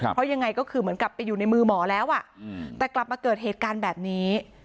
เพราะยังไงก็คือเหมือนกับไปอยู่ในมือหมอแล้วแต่กลับมาเกิดเหตุการณ์แบบนี้